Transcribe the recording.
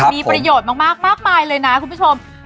มีประโยชน์มากมายเลยนะคุณผู้ชม